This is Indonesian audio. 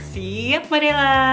siap neng dela